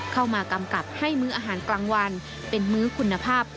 กำกับให้มื้ออาหารกลางวันเป็นมื้อคุณภาพ